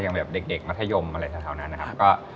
ยังเด็กมัธยมอะไรเท่านั้นนะครับ